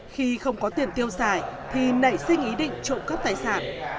khi không có tiền tiêu xài thì nảy sinh ý định trộm cắp tài sản